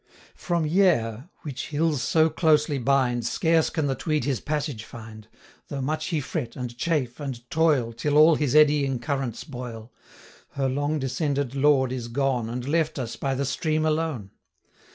From Yair, which hills so closely bind, Scarce can the Tweed his passage find, Though much he fret, and chafe, and toil, Till all his eddying currents boil, 105 Her long descended lord is gone, And left us by the stream alone.